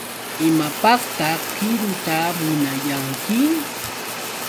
¿Imapaqtaq qiruta munayanki?